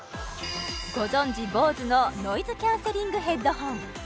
ご存じＢＯＳＥのノイズキャンセリングヘッドホン